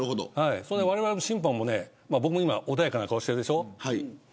われわれ審判も僕は今穏やかな顔してるでしょ。